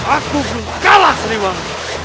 aku berkala seri wang